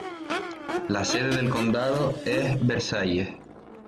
La sede del condado es Versailles.